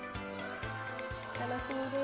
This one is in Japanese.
楽しみです。